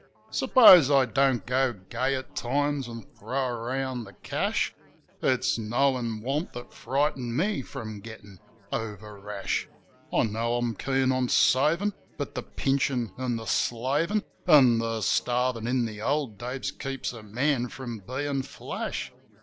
Suppose I don't go gay at times an' throw around the cash: It's knowin' want that frightened me from gettin' over rash. I know I'm keen on savin' ; but the pinchin' an' the slavin' An' the starvin' in the old days keeps a man from bein' flash.